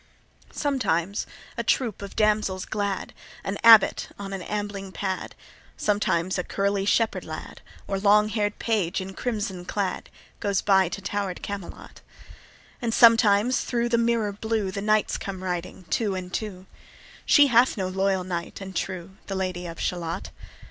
Sometimes a troop of damsels glad, An abbot on an ambling pad, Sometimes a curly shepherd lad, Or long hair'd page in crimson clad, Goes by to tower'd Camelot; And sometimes thro' the mirror blue The knights come riding two and two: She hath no loyal knight and true, The Lady of Shalott.